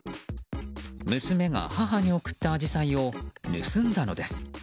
娘が母に贈ったアジサイを盗んだのです。